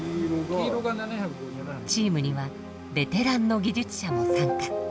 チームにはベテランの技術者も参加。